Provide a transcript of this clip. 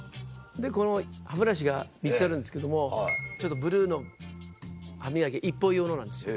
この歯ブラシが３つあるんですけどもブルーの歯磨き１本用のなんですよ。